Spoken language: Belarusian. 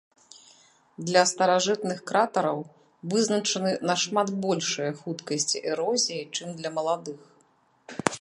Для старажытных кратараў вызначаны нашмат большыя хуткасці эрозіі, чым для маладых.